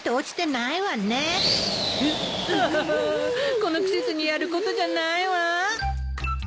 この季節にやることじゃないわ。